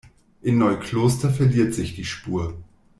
In Neukloster verliert sich die Spur.